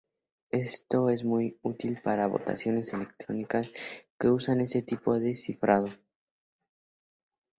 Esto es muy útil para votaciones electrónicas que usan este tipo de cifrado.